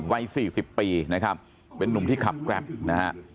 วัยสี่สิบปีนะครับเป็นนุ่มที่ขับแกรปนะฮะ